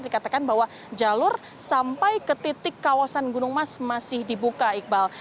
dikatakan bahwa jalur sampai ke titik kawasan gunung mas masih dibuka iqbal